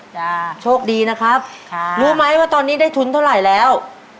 จ้ะโชคดีนะครับค่ะรู้ไหมว่าตอนนี้ได้ทุนเท่าไหร่แล้ว